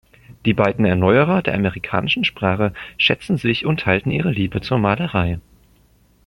Die beiden Erneuerer der Amerikanischen Sprache schätzen sich und teilten ihre Liebe zur Malerei.